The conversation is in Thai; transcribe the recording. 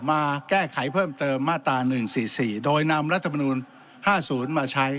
มาแก้ไขเพิ่มเติมมาตรา๑๔๔โดยนำรัฐมนูล๕๐มาใช้